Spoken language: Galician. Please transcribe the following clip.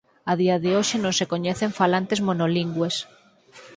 A día de hoxe non se coñecen falantes monolingües.